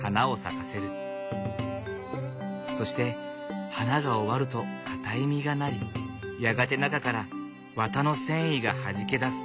そして花が終わると硬い実がなりやがて中から綿の繊維がはじけ出す。